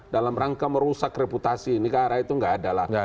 dalam rangka merusak reputasi negara itu nggak ada lah